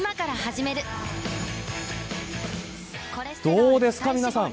どうですか皆さん。